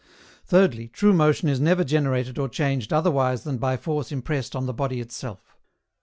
Thirdly, true motion is never generated or changed otherwise than by force impressed on the body itself.